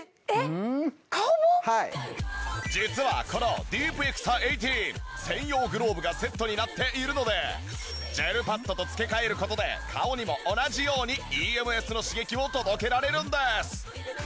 実はこのディープエクサ１８専用グローブがセットになっているのでジェルパッドと付け替える事で顔にも同じようにＥＭＳの刺激を届けられるんです。